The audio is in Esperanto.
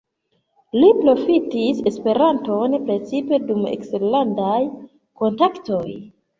Li profitis Esperanton precipe dum eksterlandaj kontaktoj.